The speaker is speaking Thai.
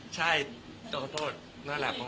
เดี๋ยวผมก็ไปหาวิธี